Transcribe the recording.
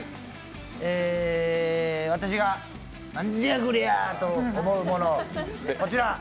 私がなんじゃこりゃと思うもの、こちら。